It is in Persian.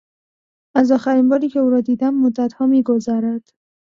از آخرین باری که او را دیدم مدتها میگذرد.